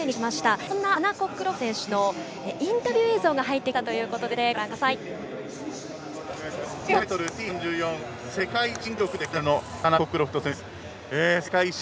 そんなハナ・コックロフト選手のインタビュー映像が入ってきたということです。